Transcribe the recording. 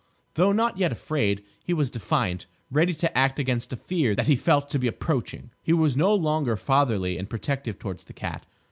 Though not yet afraid, he was defiant—ready to act against a fear that he felt to be approaching. He was no longer fatherly and protective towards the cat.